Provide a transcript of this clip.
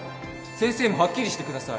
先生もハッキリしてください